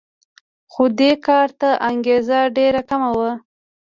خو دې کار ته انګېزه ډېره کمه وه